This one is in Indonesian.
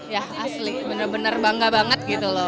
ya asli bener bener bangga banget